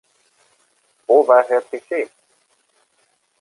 Wo war Herr Trichet?